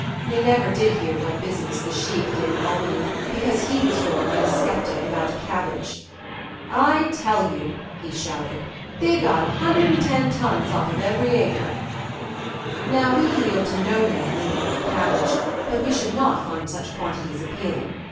We never did hear what business "The Sheik" did in Albany because he was roaring at a skeptic about cabbage. "I tell you," he shouted, "they got 110 tons off of every acre." Now we yield to no man in love of cabbage, but we should not find such quantities appealing.